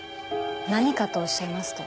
何かとおっしゃいますと？